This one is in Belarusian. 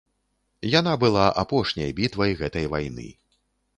Яна была апошняй бітвай гэтай вайны.